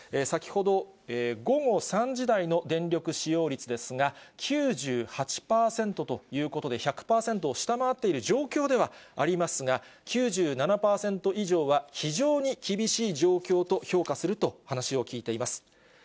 先ほど午後３時台の電力使用率ですが、９８％ということで、１００％を下回っている状況ではありますが、９７％以上は非常に厳しい状況と評価すると話を聞いています。